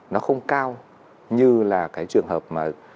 nó không cao như là cái trường hợp mà